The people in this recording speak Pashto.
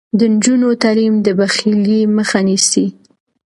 د نجونو تعلیم د بخیلۍ مخه نیسي.